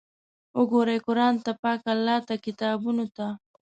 وګورئ قرآن ته، پاک الله ته، کتابونو ته!